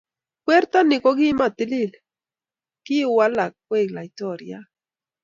Werto ni ki matilil ,kiwalak koek laitoryat